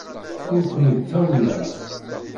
Ur ken-id-ttawyeɣ.